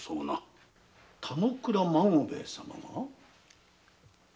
田之倉孫兵衛様が？